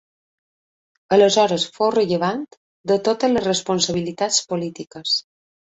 Aleshores fou rellevant de totes les responsabilitats polítiques.